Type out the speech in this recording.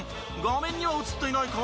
画面には映っていない河村。